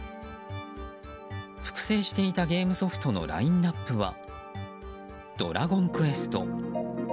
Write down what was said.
複製していたゲームソフトのラインアップは「ドラゴンクエスト」。